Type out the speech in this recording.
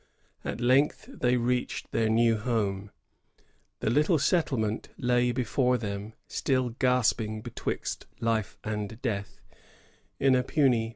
At length they reached their new home. The little settlement lay before them, still gasping betwixt life and death, in a puny, precarious infancy.